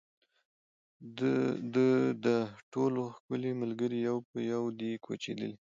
د ده ټول ښکلي ملګري یو په یو دي کوچېدلي